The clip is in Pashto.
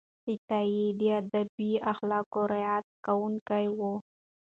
عطایي د ادبي اخلاقو رعایت کوونکی و.